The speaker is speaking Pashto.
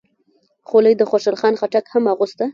خولۍ د خوشحال خان خټک هم اغوسته.